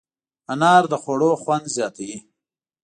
انار د خوړو خوند زیاتوي.